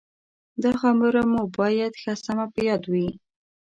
دا خبره مو باید ښه سمه په یاد وي.